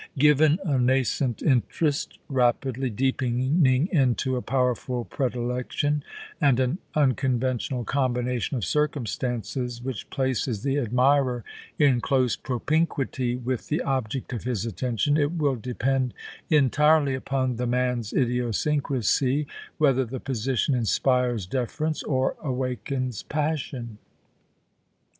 Given a nascent interest, rapidly deepening into a powerful predilection, and an unconventional combination of circum stances, which places the admirer in close propinquity with the object of his attraction, it will depend entirely upon the man's idiosyncrasy whether the position inspires deference or awakens passion.